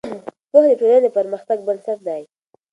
پوهه د ټولنې د پرمختګ بنسټ دی.